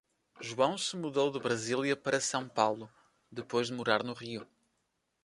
João se mudou de Brasília para São Paulo, depois de morar no Rio.